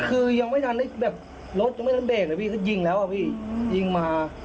คือยังไม่ทันได้แบบรถยังไม่ทันเบรกเลยพี่ก็ยิงแล้วอะพี่ยิงมา